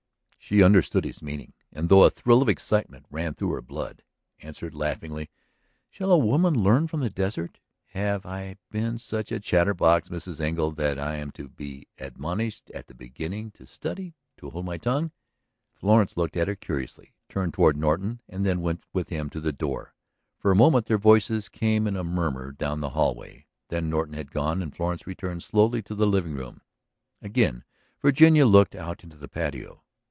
She understood his meaning and, though a thrill of excitement ran through her blood, answered laughingly: "Shall a woman learn from the desert? Have I been such a chatter box, Mrs. Engle, that I am to be admonished at the beginning to study to hold my tongue?" Florence looked at her curiously, turned toward Norton, and then went with him to the door. For a moment their voices came in a murmur down the hallway; then Norton had gone and Florence returned slowly to the living room. Again Virginia looked out into the patio.